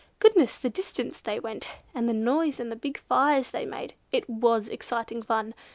Goodness, the distances they went, and the noise and the big fires they made. It was exciting fun!